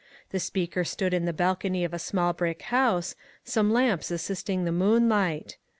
The speaker stood in the balcony of a small brick house, some lamps assisting the moonlight.